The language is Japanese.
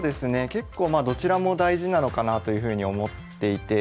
結構まあどちらも大事なのかなあというふうに思っていて。